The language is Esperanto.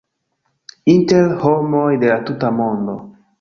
Inter homoj de la tuta mondo